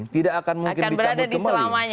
tidak akan mungkin dicabut kembali